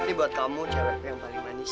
ini buat kamu cewekku yang paling manis